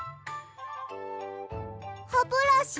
ハブラシ？